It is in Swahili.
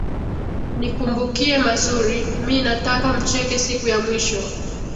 Nikumbukie mazuri, mi nataka mcheke siku ya mwisho.